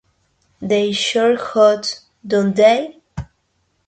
They Shoot Horses, Don't They?